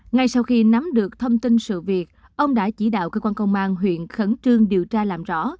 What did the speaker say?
ngay sau khi nắm được thông tin sự việc ông đã chỉ đạo cơ quan công an huyện khẩn trương điều tra làm rõ